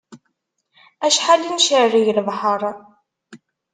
Acḥal i ncerreg lebḥer